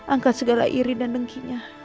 angkat segala iri dan dengkinya